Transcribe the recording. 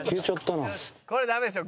これダメでしょ！